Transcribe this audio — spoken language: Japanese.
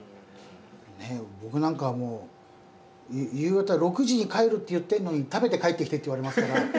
僕なんかはもう夕方６時に帰るって言ってんのに「食べて帰ってきて」って言われますから。